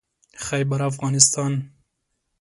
خيبرافغانستان